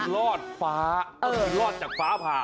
ลอดฟ้าเออลอดจากฟ้าผ่า